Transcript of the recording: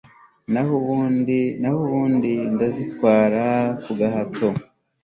naho ubundi ndazitwara ku gahato